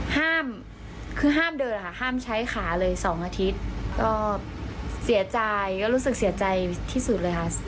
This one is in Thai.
ห้ามคือห้ามเดินค่ะห้ามใช้ขาเลย๒อาทิตย์ก็เสียใจก็รู้สึกเสียใจที่สุดเลยค่ะ